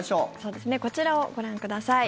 こちらをご覧ください。